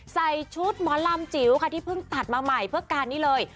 ใส่ชุดหมอลำจิ๋วค่ะที่เพิ่งตัดมาใหม่เพื่อการนี้เลย